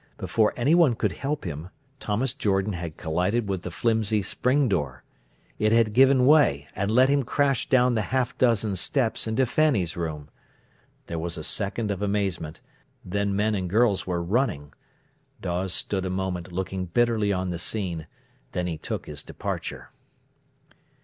Before anyone could help him, Thomas Jordan had collided with the flimsy spring door. It had given way, and let him crash down the half dozen steps into Fanny's room. There was a second of amazement; then men and girls were running. Dawes stood a moment looking bitterly on the scene, then he took his departure.